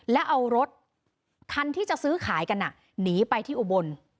แล้วเอารถคันที่จะซื้อขายกันหนีไปที่อุบล